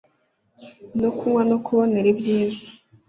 no kunywa no kubonera ibyiza